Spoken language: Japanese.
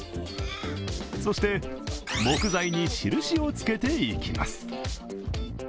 そして木材に印をつけていきます。